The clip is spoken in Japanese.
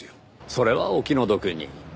それはお気の毒に。